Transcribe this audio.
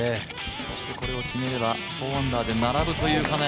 そしてこれを決めれば４アンダーで並ぶという金谷。